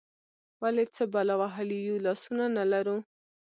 ولې، څه بلا وهلي یو، لاسونه نه لرو؟